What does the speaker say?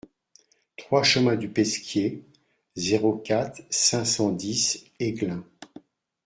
trois chemin du Pesquier, zéro quatre, cinq cent dix Aiglun